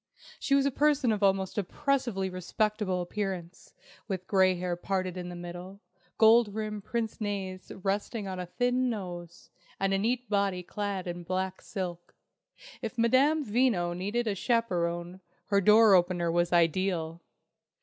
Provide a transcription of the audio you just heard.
She was a person of almost oppressively respectable appearance, with grey hair parted in the middle, gold rimmed pince nez resting on a thin nose, and a neat body clad in black silk. If Madame Veno needed a chaperon, her door opener was ideal!